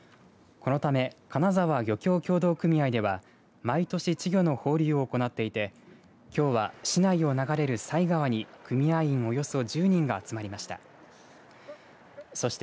このため金沢漁業協同組合では毎年、稚魚の放流を行っていてきょうは市内を流れる犀川に組合員およそ１０人が集まりました。